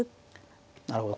なるほど。